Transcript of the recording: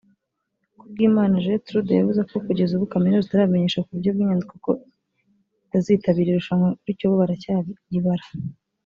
Kubwimana Gertulde yavuze ko kugeza ubu Kaminuza itarabamenyesha ku buryo bw’inyandiko ko itazitabira irushanwa bityo bo baracyayibara